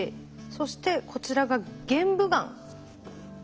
そしてこちらが玄武岩。